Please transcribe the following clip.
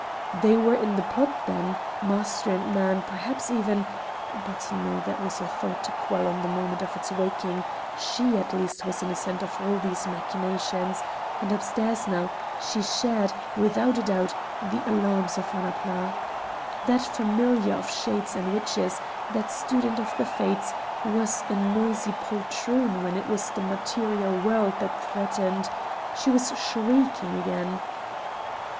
They were in the plot then, master and man, perhaps even but no, that was a thought to quell on the moment of its waking; she at least was innocent of all these machinations, and upstairs now, she shared, without a doubt, the alarms of Annapla. That familiar of shades and witches, that student of the fates, was a noisy poltroon when it was the material world that threatened; she was shrieking again.